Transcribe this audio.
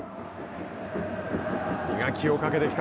磨きをかけてきた